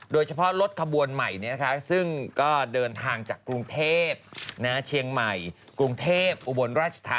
โดยเฉพาะรถขบวนใหม่เนี่ยนะคะ